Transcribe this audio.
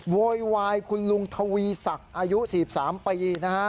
โวยวายคุณลุงทวีศักดิ์อายุ๔๓ปีนะฮะ